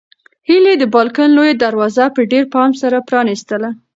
هیلې د بالکن لویه دروازه په ډېر پام سره پرانیستله.